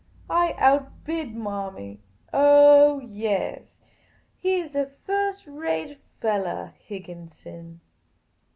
I outbid Marmy. Oh, yaas, he 's a first rate fellah, Higgin son.